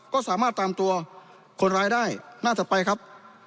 ก็สามารถตามตัวคนร้ายได้หน้าถัดไปครับ